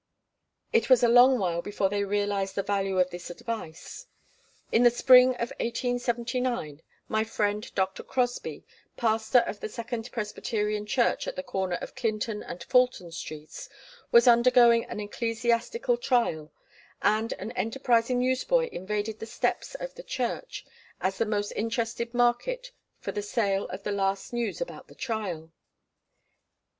It was a long while before they realised the value of this advice. In the spring of 1879 my friend Dr. Crosby, pastor of the Second Presbyterian Church at the corner of Clinton and Fulton Streets, was undergoing an ecclesiastical trial, and an enterprising newsboy invaded the steps of the church, as the most interested market for the sale of the last news about the trial.